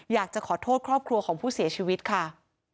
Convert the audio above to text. อยากจะขอโทษครอบครัวของผู้เสียชีวิตค่ะ